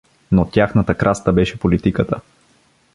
Но тяхната краста беше политиката.